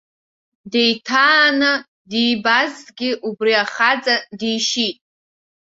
Деиҭааны дибазҭгьы убри ахаҵа, дишьит.